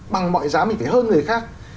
bằng mọi giá mình phải hơn người khác